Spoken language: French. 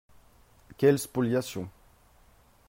Quelle spoliation